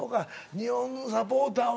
日本のサポーターは。